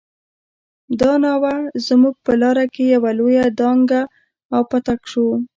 دا ناوه زموږ په لاره کې يوه لويه ډانګه او پټک شو.